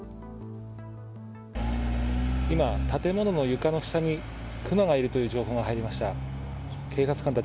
今、建物の床の下にクマがいるという情報が入りました。